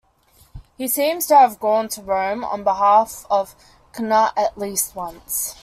He seems to have gone to Rome on behalf of Cnut at least once.